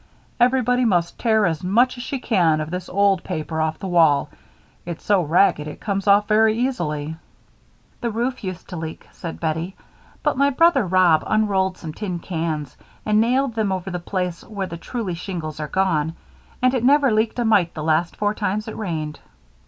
Everybody must tear as much as she can of this old paper off the wall; it's so ragged it comes off very easily." "The roof used to leak," said Bettie, "but my brother Rob unrolled some tin cans and nailed them over the place where the truly shingles are gone, and it never leaked a mite the last four times it rained."